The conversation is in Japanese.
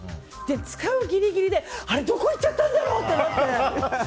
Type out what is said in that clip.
使うギリギリであれ、どこ行っちゃったんだろうってなって。